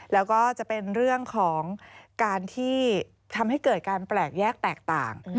แล้วก็จะเป็นเรื่องของการที่ทำให้เกิดการแปลกแยกแตกต่าง